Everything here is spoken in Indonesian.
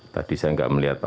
yang saya hormati ba pequan